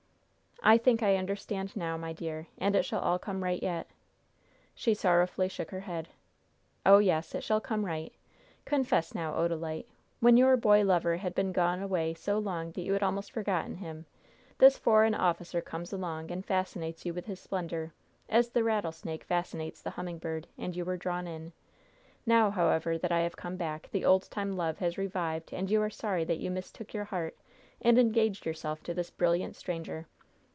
"I think I understand now, my dear; and it shall all come right yet." She sorrowfully shook her head. "Oh, yes; it shall come right. Confess now, Odalite. When your boy lover had been gone away so long that you had almost forgotten him, this foreign officer comes along and fascinates you with his splendor, as the rattlesnake fascinates the humming bird, and you were drawn in. Now, however, that I have come back, the old time love has revived, and you are sorry that you mistook your heart and engaged yourself to this brilliant stranger.